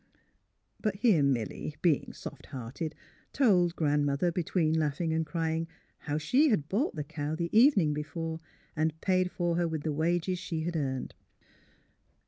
" But here Milly, being soft hearted, told Grand mother, between laughing and crying, how she had 160 THE HEAET OF PHILURA bouglit the cow the evening before and paid for her with the wages she had earned.